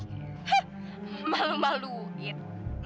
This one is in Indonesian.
hah malu malu gitu